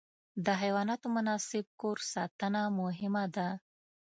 د حیواناتو مناسب کور ساتنه مهمه ده.